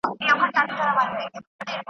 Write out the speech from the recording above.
د دوی ادارې څو تنو ته .